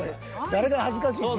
誰が恥ずかしい事件や。